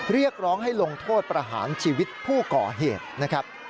เรียกร้องให้ลงโทษประหารชีวิตผู้ก่อเหตุนะครับ